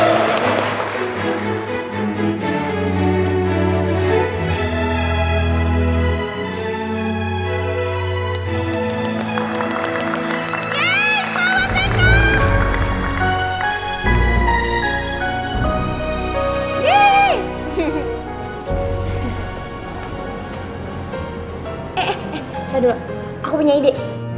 eh eh eh saya dulu aku punya ide